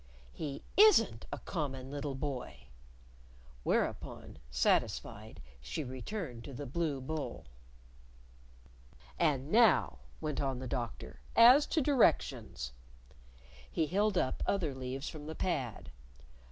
"He isn't a common little boy." Whereupon, satisfied, she returned to the blue bowl. "And now," went on the Doctor, "as to directions." He held up other leaves from the pad.